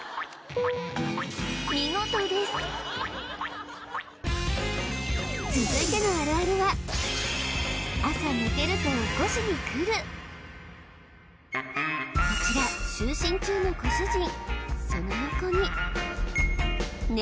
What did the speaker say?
見事です続いてのあるあるは朝寝てると起こしに来るこちら就寝中のご主人